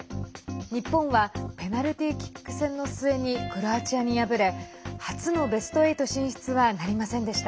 日本はペナルティーキック戦の末にクロアチアに敗れ初のベスト８進出はなりませんでした。